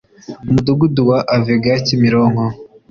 umudugudu wa avega kimironko